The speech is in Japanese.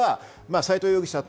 斎藤容疑者逮捕。